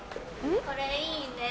これいいねぇ。